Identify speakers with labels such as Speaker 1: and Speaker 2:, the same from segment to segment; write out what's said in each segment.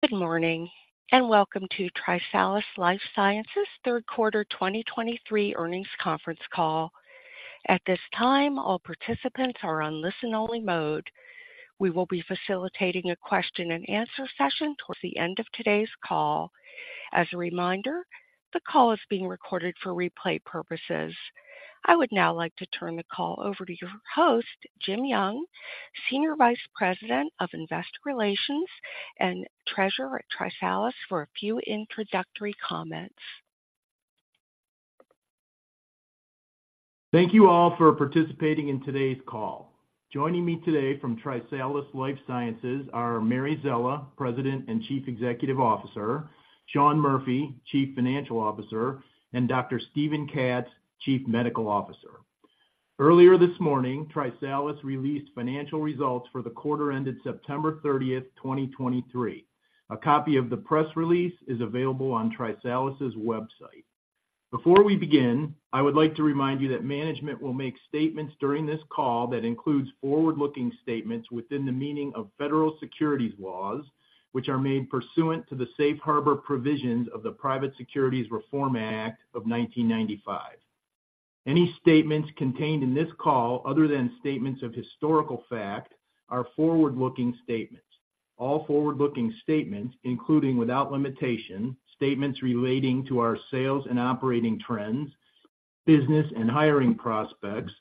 Speaker 1: Good morning, and Welcome to TriSalus Life Sciences' third quarter 2023 earnings conference call. At this time, all participants are on listen-only mode. We will be facilitating a question-and-answer session towards the end of today's call. As a reminder, the call is being recorded for replay purposes. I would now like to turn the call over to your host, Jim Young, Senior Vice President of Investor Relations and Treasurer at TriSalus, for a few introductory comments.
Speaker 2: Thank you all for participating in today's call. Joining me today from TriSalus Life Sciences are Mary Szela, President and Chief Executive Officer, Sean Murphy, Chief Financial Officer, and Dr. Steven Katz, Chief Medical Officer. Earlier this morning, TriSalus released financial results for the quarter ended September 30, 2023. A copy of the press release is available on TriSalus's website. Before we begin, I would like to remind you that management will make statements during this call that includes forward-looking statements within the meaning of federal securities laws, which are made pursuant to the safe harbor provisions of the Private Securities Reform Act of 1995. Any statements contained in this call, other than statements of historical fact, are forward-looking statements. All forward-looking statements, including without limitation, statements relating to our sales and operating trends, business and hiring prospects,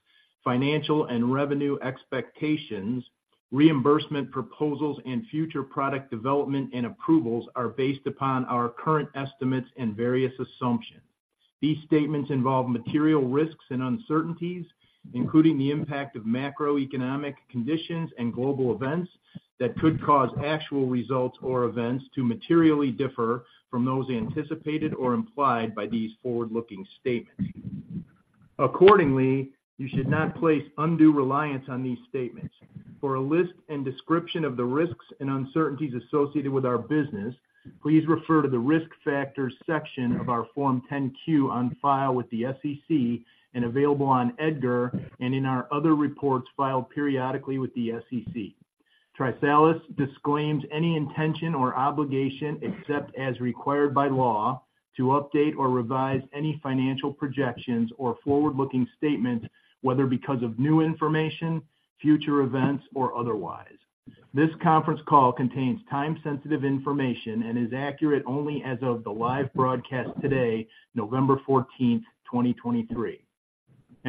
Speaker 2: financial and revenue expectations, reimbursement proposals, and future product development and approvals, are based upon our current estimates and various assumptions. These statements involve material risks and uncertainties, including the impact of macroeconomic conditions and global events, that could cause actual results or events to materially differ from those anticipated or implied by these forward-looking statements. Accordingly, you should not place undue reliance on these statements. For a list and description of the risks and uncertainties associated with our business, please refer to the Risk Factors section of our Form 10-Q on file with the SEC and available on EDGAR and in our other reports filed periodically with the SEC. TriSalus disclaims any intention or obligation, except as required by law, to update or revise any financial projections or forward-looking statements, whether because of new information, future events, or otherwise. This conference call contains time-sensitive information and is accurate only as of the live broadcast today, November 14, 2023.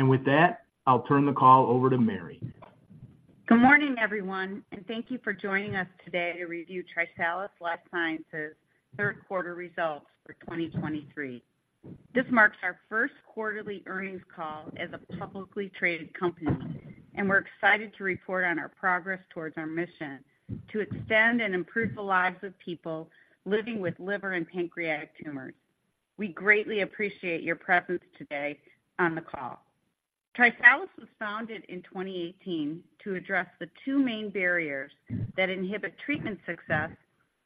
Speaker 2: With that, I'll turn the call over to Mary.
Speaker 3: Good morning, everyone, and thank you for joining us today to review TriSalus Life Sciences' third quarter results for 2023. This marks our first quarterly earnings call as a publicly traded company, and we're excited to report on our progress towards our mission to extend and improve the lives of people living with liver and pancreatic tumors. We greatly appreciate your presence today on the call. TriSalus was founded in 2018 to address the two main barriers that inhibit treatment success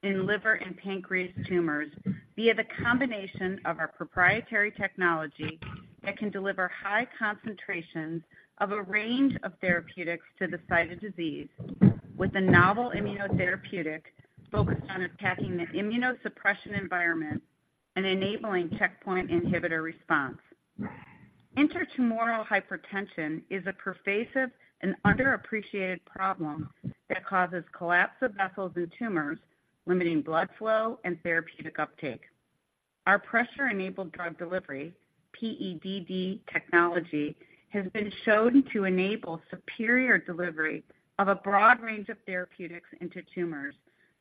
Speaker 3: in liver and pancreas tumors via the combination of our proprietary technology that can deliver high concentrations of a range of therapeutics to the site of disease, with a novel immunotherapeutic focused on attacking the immunosuppression environment and enabling checkpoint inhibitor response. Intratumoral hypertension is a pervasive and underappreciated problem that causes collapse of vessels and tumors, limiting blood flow and therapeutic uptake. Our Pressure-Enabled Drug Delivery, PEDD technology, has been shown to enable superior delivery of a broad range of therapeutics into tumors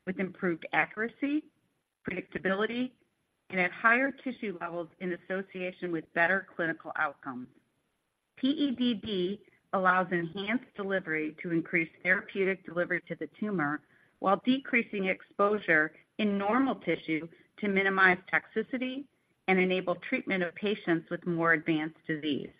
Speaker 3: with improved accuracy, predictability, and at higher tissue levels in association with better clinical outcomes. PEDD allows enhanced delivery to increase therapeutic delivery to the tumor, while decreasing exposure in normal tissue to minimize toxicity and enable treatment of patients with more advanced disease.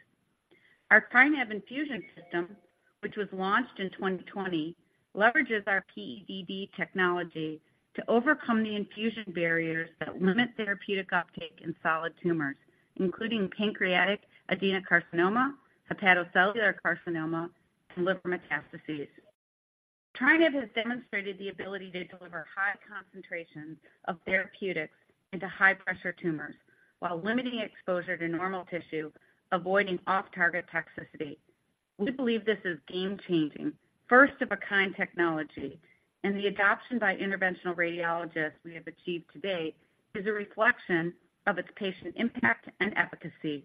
Speaker 3: Our TriNav Infusion System, which was launched in 2020, leverages our PEDD technology to overcome the infusion barriers that limit therapeutic uptake in solid tumors, including pancreatic adenocarcinoma, hepatocellular carcinoma, and liver metastases. TriNav has demonstrated the ability to deliver high concentrations of therapeutics into high-pressure tumors while limiting exposure to normal tissue, avoiding off-target toxicity. We believe this is game-changing, first-of-a-kind technology, and the adoption by interventional radiologists we have achieved to date is a reflection of its patient impact and efficacy.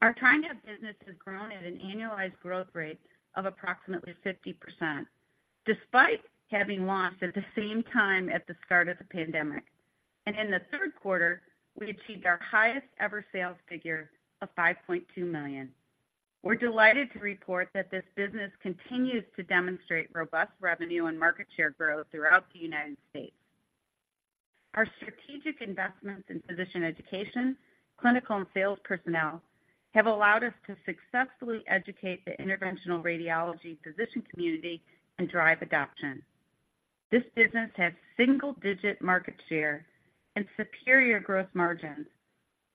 Speaker 3: Our TriNav business has grown at an annualized growth rate of approximately 50%, despite having launched at the same time at the start of the pandemic. In the third quarter, we achieved our highest-ever sales figure of $5.2 million. We're delighted to report that this business continues to demonstrate robust revenue and market share growth throughout the United States. Our strategic investments in physician education, clinical and sales personnel have allowed us to successfully educate the interventional radiology physician community and drive adoption. This business has single-digit market share and superior growth margins,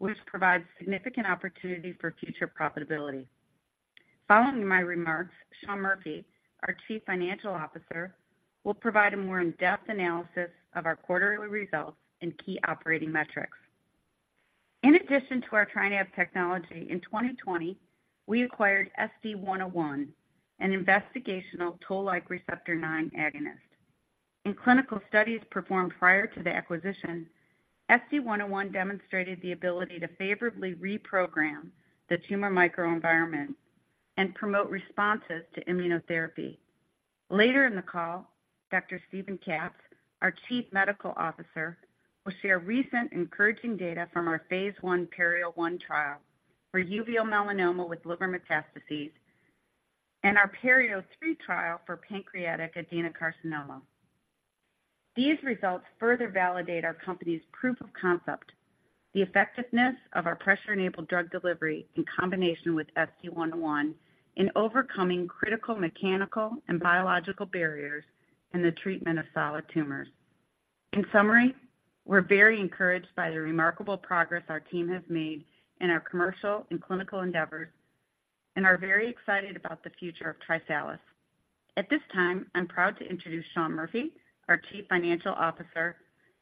Speaker 3: which provides significant opportunity for future profitability. Following my remarks, Sean Murphy, our Chief Financial Officer, will provide a more in-depth analysis of our quarterly results and key operating metrics. In addition to our TriNav technology, in 2020, we acquired SD-101, an investigational Toll-like receptor 9 agonist. In clinical studies performed prior to the acquisition, SD-101 demonstrated the ability to favorably reprogram the tumor microenvironment and promote responses to immunotherapy. Later in the call, Dr. Steven Katz, our Chief Medical Officer, will share recent encouraging data from our phase I PERIO-01 trial for uveal melanoma with liver metastases and our PERIO-03 trial for pancreatic adenocarcinoma. These results further validate our company's proof of concept, the effectiveness of our pressure-enabled drug delivery in combination with SD-101 in overcoming critical mechanical and biological barriers in the treatment of solid tumors. In summary, we're very encouraged by the remarkable progress our team has made in our commercial and clinical endeavors, and are very excited about the future of TriSalus. At this time, I'm proud to introduce Sean Murphy, our Chief Financial Officer,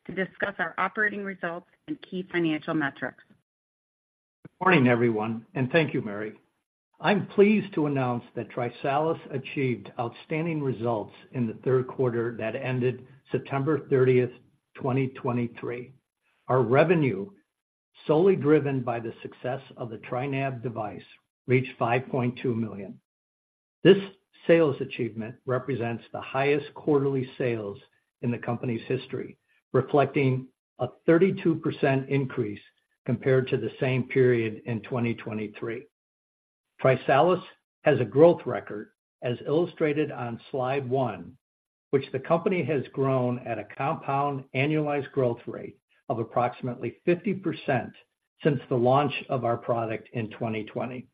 Speaker 3: to discuss our operating results and key financial metrics.
Speaker 4: Good morning, everyone, and thank you, Mary. I'm pleased to announce that TriSalus achieved outstanding results in the third quarter that ended September 30, 2023. Our revenue, solely driven by the success of the TriNav device, reached $5.2 million. This sales achievement represents the highest quarterly sales in the company's history, reflecting a 32% increase compared to the same period in 2023. TriSalus has a growth record, as illustrated on Slide one, which the company has grown at a compound annualized growth rate of approximately 50% since the launch of our product in 2020.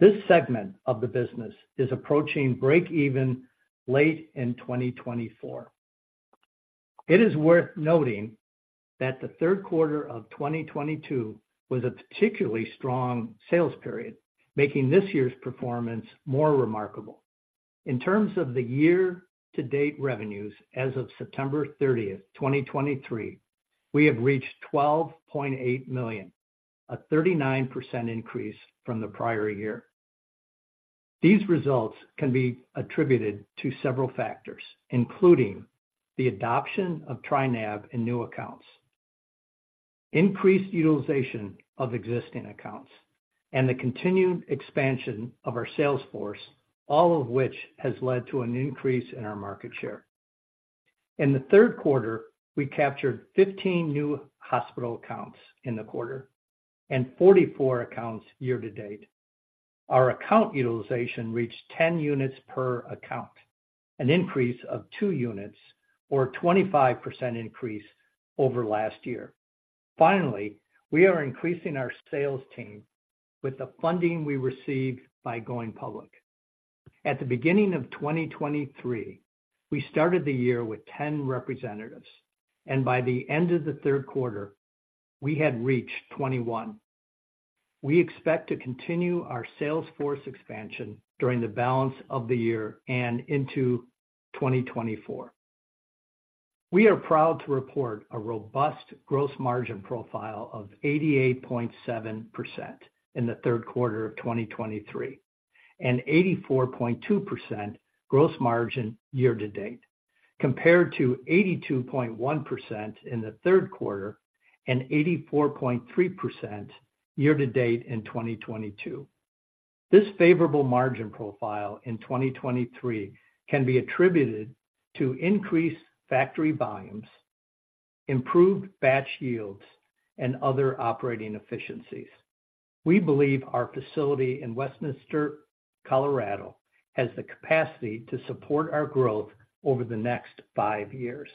Speaker 4: This segment of the business is approaching breakeven late in 2024. It is worth noting that the third quarter of 2022 was a particularly strong sales period, making this year's performance more remarkable. In terms of the year-to-date revenues as of September 30, 2023, we have reached $12.8 million, a 39% increase from the prior year. These results can be attributed to several factors, including the adoption of TriNav in new accounts, increased utilization of existing accounts, and the continued expansion of our sales force, all of which has led to an increase in our market share. In the third quarter, we captured 15 new hospital accounts in the quarter and 44 accounts year-to-date. Our account utilization reached 10 units per account, an increase of two units or a 25% increase over last year. Finally, we are increasing our sales team with the funding we received by going public. At the beginning of 2023, we started the year with 10 representatives, and by the end of the third quarter, we had reached 21. We expect to continue our sales force expansion during the balance of the year and into 2024. We are proud to report a robust gross margin profile of 88.7% in the third quarter of 2023, and 84.2% gross margin year-to-date, compared to 82.1% in the third quarter and 84.3% year-to-date in 2022. This favorable margin profile in 2023 can be attributed to increased factory volumes, improved batch yields, and other operating efficiencies. We believe our facility in Westminster, Colorado, has the capacity to support our growth over the next five years.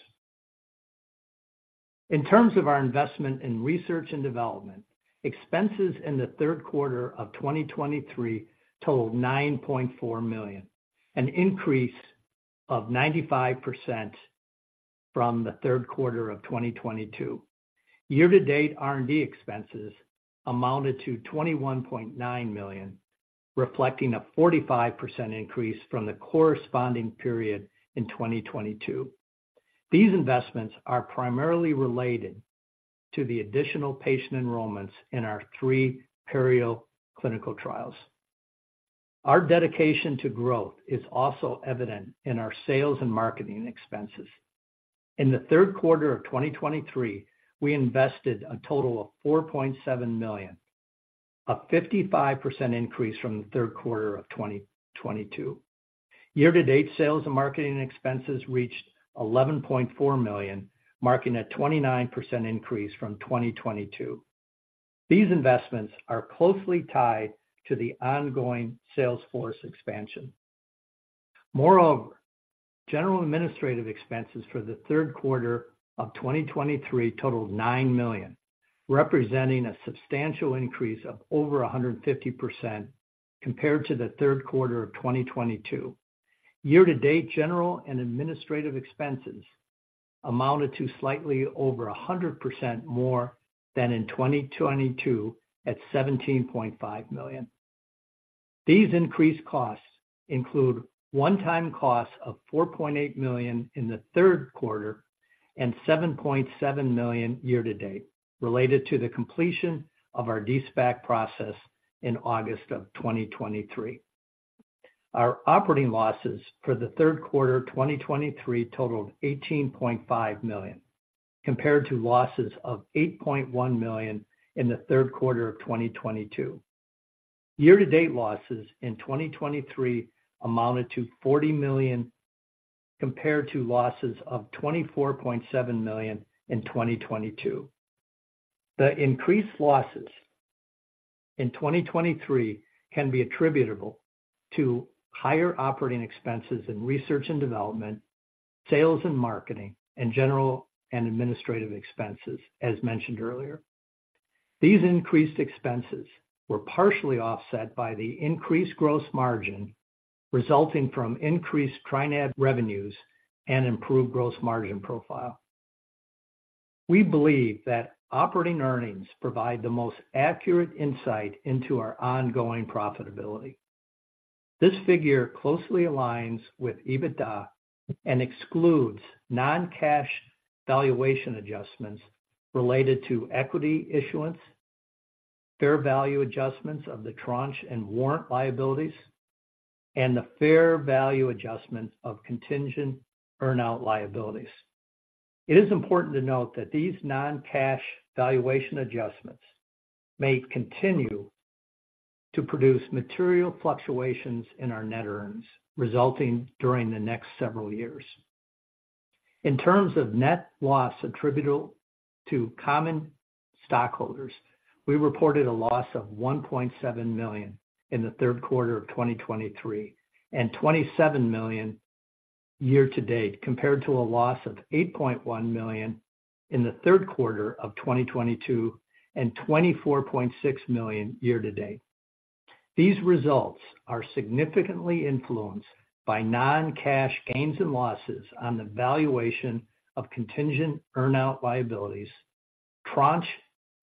Speaker 4: In terms of our investment in research and development, expenses in the third quarter of 2023 totaled $9.4 million, an increase of 95% from the third quarter of 2022. Year-to-date R&D expenses amounted to $21.9 million, reflecting a 45% increase from the corresponding period in 2022. These investments are primarily related to the additional patient enrollments in our three PERIO clinical trials. Our dedication to growth is also evident in our sales and marketing expenses. In the third quarter of 2023, we invested a total of $4.7 million, a 55% increase from the third quarter of 2022. Year-to-date, sales and marketing expenses reached $11.4 million, marking a 29% increase from 2022. These investments are closely tied to the ongoing sales force expansion. Moreover, general administrative expenses for the third quarter of 2023 totaled $9 million, representing a substantial increase of over 150% compared to the third quarter of 2022. Year-to-date, general and administrative expenses amounted to slightly over 100% more than in 2022 at $17.5 million. These increased costs include one-time costs of $4.8 million in the third quarter and $7.7 million year-to-date, related to the completion of our de-SPAC process in August of 2023. Our operating losses for the third quarter 2023 totaled $18.5 million, compared to losses of $8.1 million in the third quarter of 2022. Year-to-date losses in 2023 amounted to $40 million, compared to losses of $24.7 million in 2022. The increased losses in 2023 can be attributable to higher operating expenses in research and development, sales and marketing, and general and administrative expenses, as mentioned earlier. These increased expenses were partially offset by the increased gross margin resulting from increased TriNav revenues and improved gross margin profile. We believe that operating earnings provide the most accurate insight into our ongoing profitability. This figure closely aligns with EBITDA and excludes non-cash valuation adjustments related to equity issuance, fair value adjustments of the tranche and warrant liabilities, and the fair value adjustments of contingent earn-out liabilities. It is important to note that these non-cash valuation adjustments may continue to produce material fluctuations in our net earnings, resulting during the next several years. In terms of net loss attributable to common stockholders, we reported a loss of $1.7 million in the third quarter of 2023, and $27 million year-to-date, compared to a loss of $8.1 million in the third quarter of 2022, and $24.6 million year-to-date. These results are significantly influenced by non-cash gains and losses on the valuation of contingent earn-out liabilities, tranche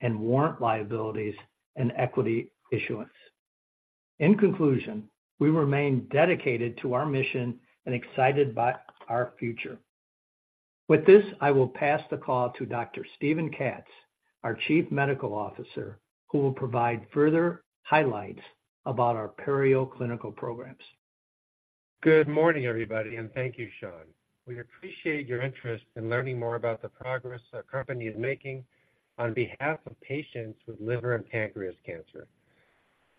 Speaker 4: and warrant liabilities, and equity issuance. In conclusion, we remain dedicated to our mission and excited about our future. With this, I will pass the call to Dr. Steven Katz, our Chief Medical Officer, who will provide further highlights about our PERIO clinical programs.
Speaker 5: Good morning, everybody, and thank you, Sean. We appreciate your interest in learning more about the progress our company is making on behalf of patients with liver and pancreas cancer.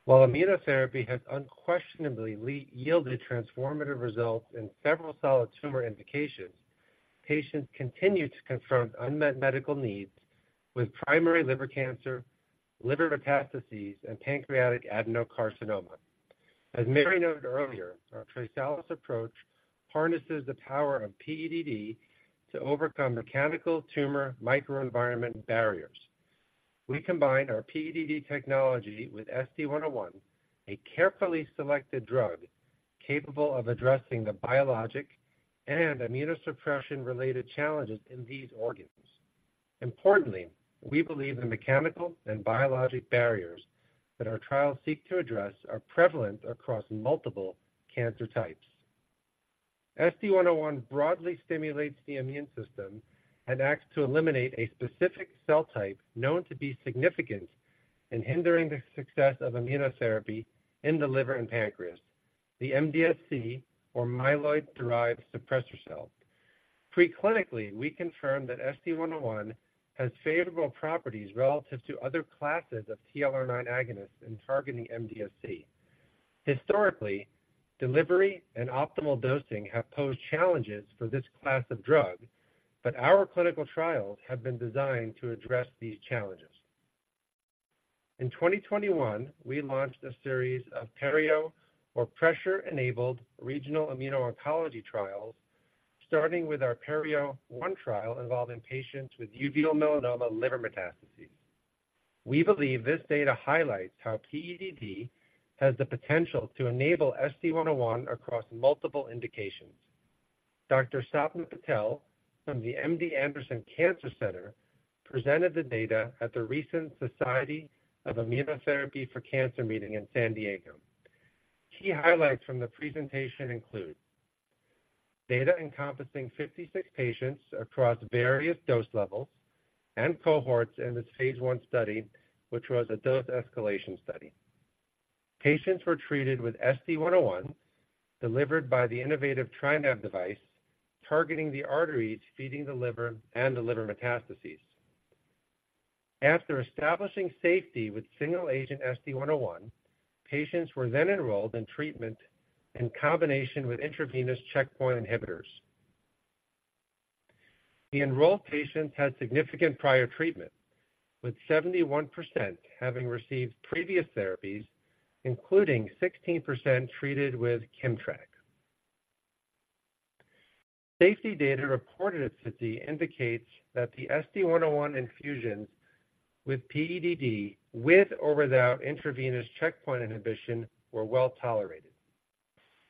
Speaker 5: While immunotherapy has unquestionably yielded transformative results in several solid tumor indications, patients continue to confront unmet medical needs with primary liver cancer, liver metastases, and pancreatic adenocarcinoma. As Mary noted earlier, our TriSalus approach harnesses the power of PEDD to overcome mechanical tumor microenvironment barriers. We combined our PEDD technology with SD-101, a carefully selected drug capable of addressing the biologic and immunosuppression-related challenges in these organs. Importantly, we believe the mechanical and biologic barriers that our trials seek to address are prevalent across multiple cancer types. SD-101 broadly stimulates the immune system and acts to eliminate a specific cell type known to be significant in hindering the success of immunotherapy in the liver and pancreas, the MDSC or myeloid-derived suppressor cell. Pre-clinically, we confirmed that SD-101 has favorable properties relative to other classes of TLR9 agonists in targeting MDSC. Historically, delivery and optimal dosing have posed challenges for this class of drug, but our clinical trials have been designed to address these challenges. In 2021, we launched a series of PERIO or Pressure Enabled Regional Immuno-Oncology trials, starting with our PERIO-01 trial involving patients with uveal melanoma liver metastases. We believe this data highlights how PEDD has the potential to enable SD-101 across multiple indications. Dr. Sapna Patel from the MD Anderson Cancer Center presented the data at the recent Society for Immunotherapy of Cancer meeting in San Diego. Key highlights from the presentation include: Data encompassing 56 patients across various dose levels and cohorts in this phase I study, which was a dose escalation study. Patients were treated with SD-101, delivered by the innovative TriNav device, targeting the arteries feeding the liver and the liver metastases. After establishing safety with single-agent SD-101, patients were then enrolled in treatment in combination with intravenous checkpoint inhibitors. The enrolled patients had significant prior treatment, with 71% having received previous therapies, including 16% treated with Keytruda. Safety data reported at SITC indicates that the SD-101 infusions with PEDD, with or without intravenous checkpoint inhibition, were well tolerated.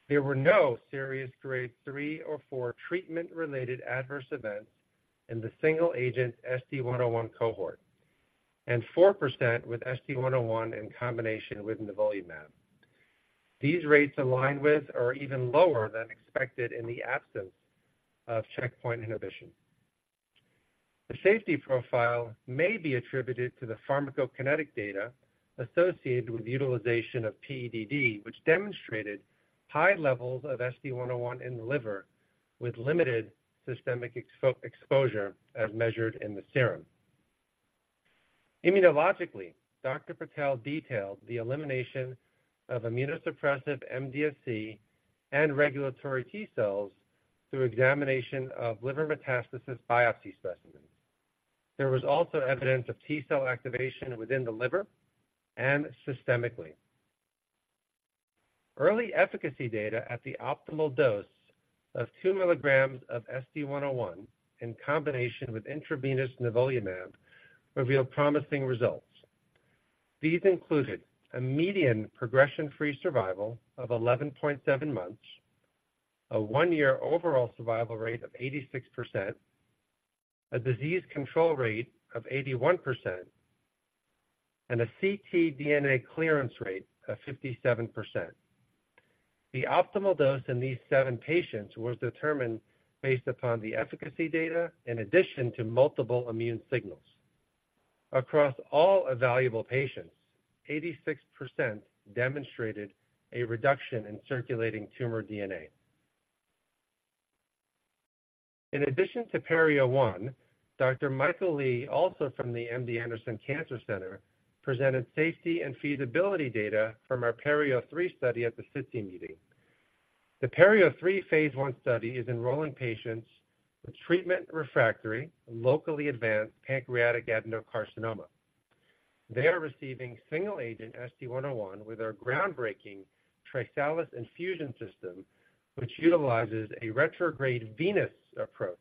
Speaker 5: There were no serious grade three or four treatment-related adverse events in the single agent SD-101 cohort, and 4% with SD-101 in combination with nivolumab. These rates align with or even lower than expected in the absence of checkpoint inhibition. The safety profile may be attributed to the pharmacokinetic data associated with utilization of PEDD, which demonstrated high levels of SD-101 in the liver, with limited systemic exposure as measured in the serum. Immunologically, Dr. Patel detailed the elimination of immunosuppressive MDSC and regulatory T-cells through examination of liver metastasis biopsy specimens. There was also evidence of T-cell activation within the liver and systemically. Early efficacy data at the optimal dose of 2 mg of SD-101 in combination with intravenous nivolumab revealed promising results. These included a median progression-free survival of 11.7 months, a one-year overall survival rate of 86%, a disease control rate of 81%, and a ctDNA clearance rate of 57%. The optimal dose in these seven patients was determined based upon the efficacy data in addition to multiple immune signals. Across all evaluable patients, 86% demonstrated a reduction in circulating tumor DNA. In addition to PERIO-01, Dr. Michael Lee, also from the MD Anderson Cancer Center, presented safety and feasibility data from our PERIO-03 study at the SITC meeting. The PERIO-03 phase I study is enrolling patients with treatment refractory, locally advanced pancreatic adenocarcinoma. They are receiving single agent SD-101 with our groundbreaking TriSalus infusion system, which utilizes a retrograde venous approach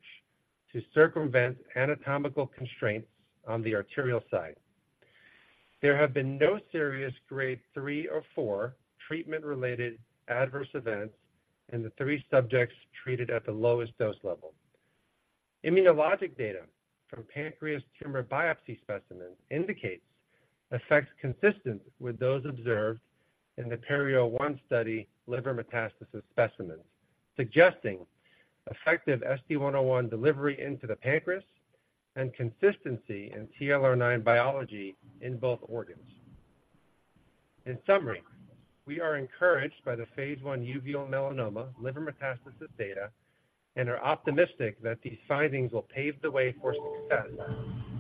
Speaker 5: to circumvent anatomical constraints on the arterial side. There have been no serious grade three or four treatment-related adverse events in the three subjects treated at the lowest dose level. Immunologic data from pancreas tumor biopsy specimens indicates effects consistent with those observed in the PERIO-01 study liver metastasis specimens, suggesting effective SD-101 delivery into the pancreas and consistency in TLR9 biology in both organs. In summary, we are encouraged by the phase I uveal melanoma liver metastasis data and are optimistic that these findings will pave the way for success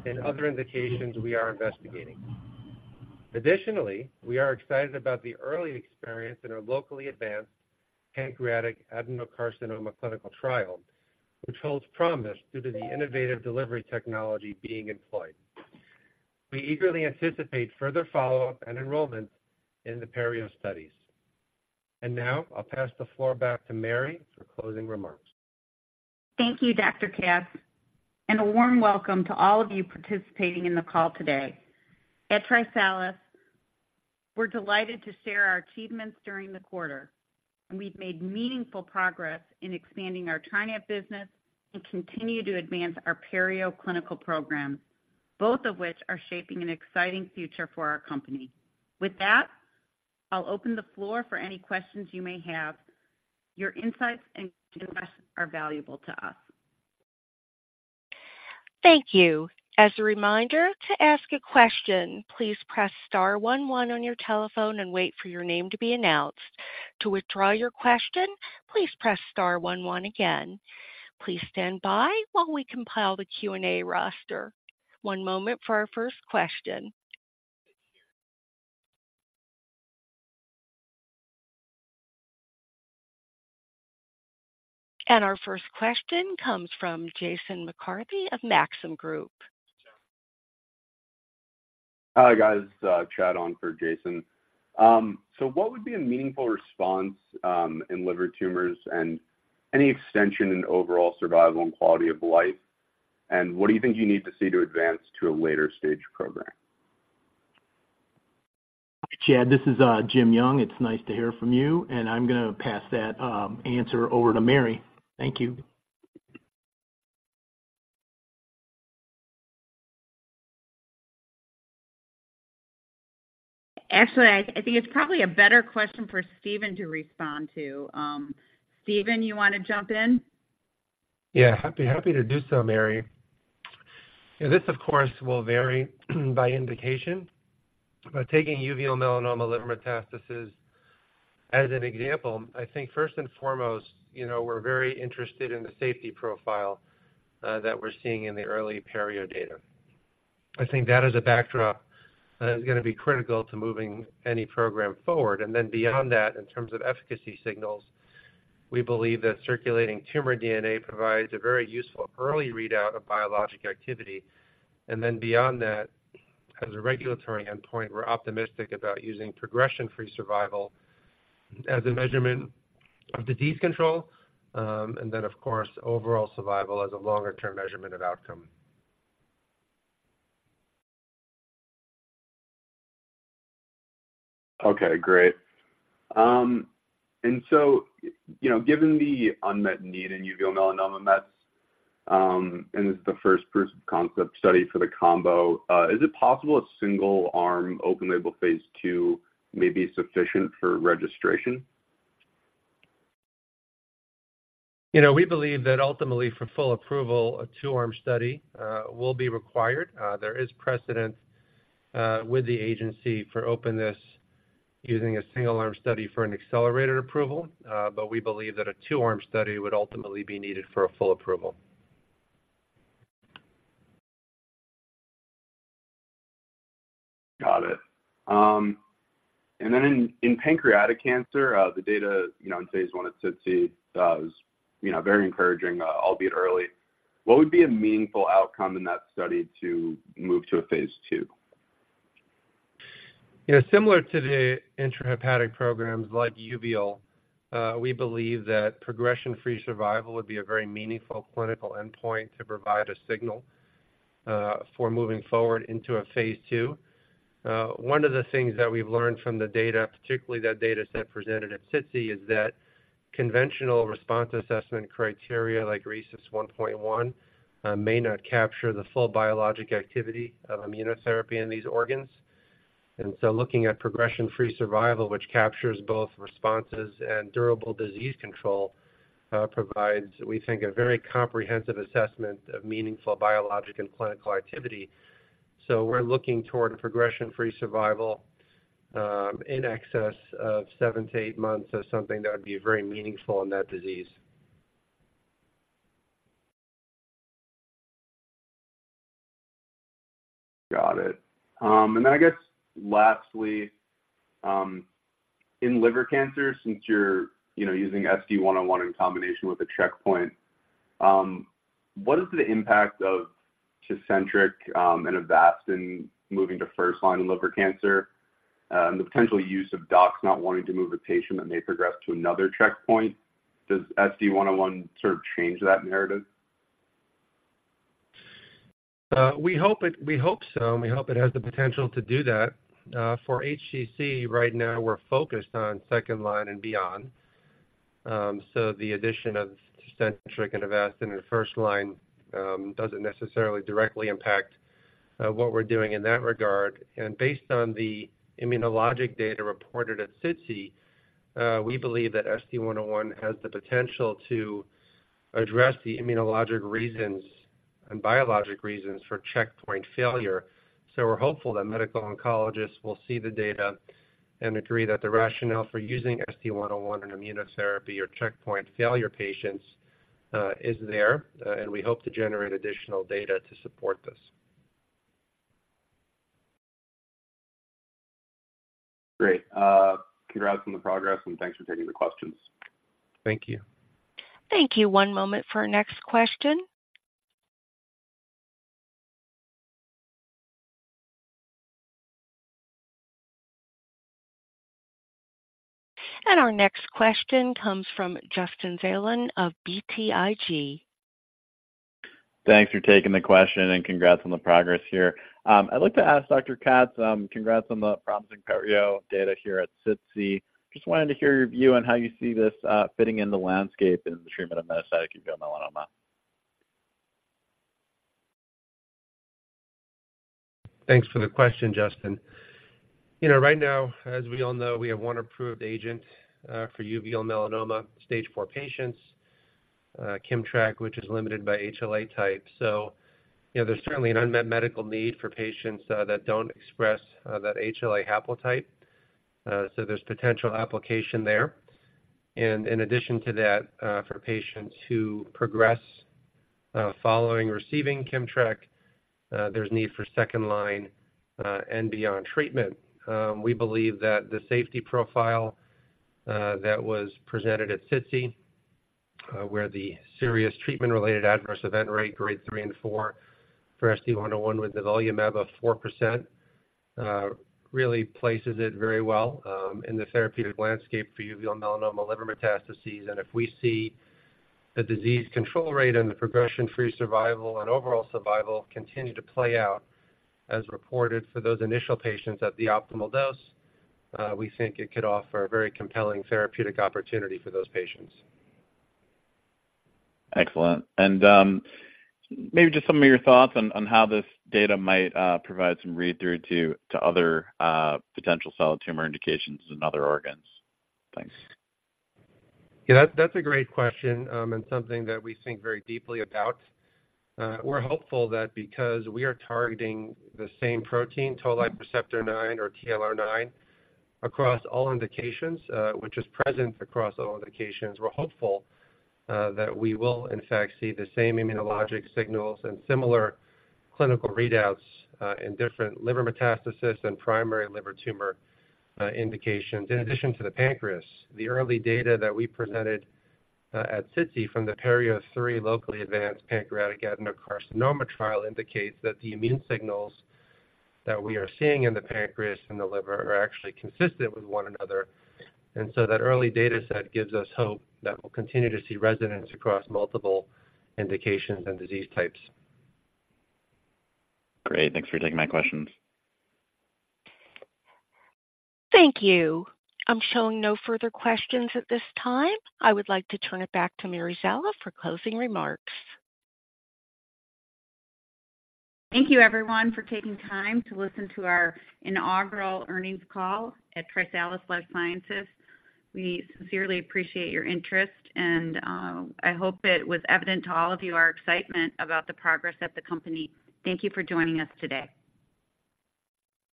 Speaker 5: in other indications we are investigating. Additionally, we are excited about the early experience in our locally advanced pancreatic adenocarcinoma clinical trial, which holds promise due to the innovative delivery technology being employed. We eagerly anticipate further follow-up and enrollment in the PERIO studies. Now I'll pass the floor back to Mary for closing remarks.
Speaker 3: Thank you, Dr. Katz, and a warm welcome to all of you participating in the call today. At TriSalus, we're delighted to share our achievements during the quarter, and we've made meaningful progress in expanding our TriNav business and continue to advance our PERIO clinical program, both of which are shaping an exciting future for our company. With that, I'll open the floor for any questions you may have. Your insights and suggestions are valuable to us.
Speaker 1: Thank you. As a reminder, to ask a question, please press star one, one on your telephone and wait for your name to be announced. To withdraw your question, please press star one, one again. Please stand by while we compile the Q&A roster. One moment for our first question. Our first question comes from Jason McCarthy of Maxim Group.
Speaker 6: Hi, guys, Chad on for Jason. So what would be a meaningful response in liver tumors and any extension in overall survival and quality of life? And what do you think you need to see to advance to a later stage program?
Speaker 2: Chad, this is Jim Young. It's nice to hear from you, and I'm gonna pass that answer over to Mary. Thank you.
Speaker 3: Actually, I think it's probably a better question for Steven to respond to. Steven, you want to jump in?
Speaker 5: Yeah, happy, happy to do so, Mary. This, of course, will vary by indication. But taking uveal melanoma liver metastasis as an example, I think first and foremost, you know, we're very interested in the safety profile that we're seeing in the early PERIO data. I think that as a backdrop is gonna be critical to moving any program forward. And then beyond that, in terms of efficacy signals, we believe that circulating tumor DNA provides a very useful early readout of biologic activity. And then beyond that, as a regulatory endpoint, we're optimistic about using progression-free survival as a measurement of disease control, and then, of course, overall survival as a longer-term measurement of outcome.
Speaker 6: Okay, great. And so, you know, given the unmet need in uveal melanoma mets, and this is the first proof of concept study for the combo, is it possible a single-arm, open-label phase II may be sufficient for registration?
Speaker 5: You know, we believe that ultimately, for full approval, a two-arm study will be required. There is precedent, with the agency for openness using a single-arm study for an accelerated approval, but we believe that a two-arm study would ultimately be needed for a full approval.
Speaker 6: Got it. And then in pancreatic cancer, the data, you know, in phase I at SITC, was, you know, very encouraging, albeit early. What would be a meaningful outcome in that study to move to a phase II?
Speaker 5: You know, similar to the intrahepatic programs like uveal, we believe that progression-free survival would be a very meaningful clinical endpoint to provide a signal for moving forward into a phase II. One of the things that we've learned from the data, particularly that data set presented at SITC, is that conventional response assessment criteria, like RECIST 1.1, may not capture the full biologic activity of immunotherapy in these organs. And so looking at progression-free survival, which captures both responses and durable disease control, provides, we think, a very comprehensive assessment of meaningful biologic and clinical activity. So we're looking toward a progression-free survival in excess of 7-8 months as something that would be very meaningful in that disease.
Speaker 6: Got it. And then I guess lastly, in liver cancer, since you're, you know, using SD-101 in combination with a checkpoint, what is the impact of Tecentriq, and Avastin moving to first line in liver cancer, the potential use of docs not wanting to move a patient that may progress to another checkpoint? Does SD-101 sort of change that narrative?
Speaker 5: We hope it... We hope it has the potential to do that. For HCC, right now, we're focused on second line and beyond. So the addition of Tecentriq and Avastin in first line doesn't necessarily directly impact what we're doing in that regard. And based on the immunologic data reported at SITC, we believe that SD-101 has the potential to address the immunologic reasons and biologic reasons for checkpoint failure. So we're hopeful that medical oncologists will see the data and agree that the rationale for using SD-101 in immunotherapy or checkpoint failure patients is there, and we hope to generate additional data to support this.
Speaker 6: Great. Congrats on the progress, and thanks for taking the questions.
Speaker 5: Thank you.
Speaker 1: Thank you. One moment for our next question. Our next question comes from Justin Zelin of BTIG.
Speaker 7: Thanks for taking the question, and congrats on the progress here. I'd like to ask Dr. Katz, congrats on the promising PERIO data here at SITC. Just wanted to hear your view on how you see this fitting in the landscape in the treatment of metastatic uveal melanoma.
Speaker 5: Thanks for the question, Justin. You know, right now, as we all know, we have one approved agent, for uveal melanoma stage four patients, Kimmtrak, which is limited by HLA type. So you know, there's certainly an unmet medical need for patients, that don't express, that HLA haplotype. So there's potential application there. And in addition to that, for patients who progress, following receiving Kimmtrak, there's need for second line, and beyond treatment. We believe that the safety profile, that was presented at SITC, where the serious treatment-related adverse event rate, grade three and four, for SD-101 with nivolumab of 4%, really places it very well, in the therapeutic landscape for uveal melanoma liver metastases. If we see the disease control rate and the progression-free survival and overall survival continue to play out as reported for those initial patients at the optimal dose, we think it could offer a very compelling therapeutic opportunity for those patients.
Speaker 7: Excellent. And, maybe just some of your thoughts on how this data might provide some read-through to other potential solid tumor indications in other organs. Thanks.
Speaker 5: Yeah, that's, that's a great question, and something that we think very deeply about. We're hopeful that because we are targeting the same protein, Toll-like receptor-9, or TLR9, across all indications, which is present across all indications, we're hopeful that we will in fact see the same immunologic signals and similar clinical readouts in different liver metastasis and primary liver tumor indications. In addition to the pancreas, the early data that we presented at SITC from the PERIO-03 locally advanced pancreatic adenocarcinoma trial indicates that the immune signals that we are seeing in the pancreas and the liver are actually consistent with one another. And so that early data set gives us hope that we'll continue to see resonance across multiple indications and disease types.
Speaker 7: Great. Thanks for taking my questions.
Speaker 1: Thank you. I'm showing no further questions at this time. I would like to turn it back to Ms. Szela for closing remarks.
Speaker 3: Thank you, everyone, for taking time to listen to our inaugural earnings call at TriSalus Life Sciences. We sincerely appreciate your interest, and, I hope it was evident to all of you, our excitement about the progress of the company. Thank you for joining us today.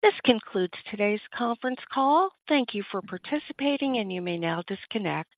Speaker 1: This concludes today's conference call. Thank you for participating, and you may now disconnect.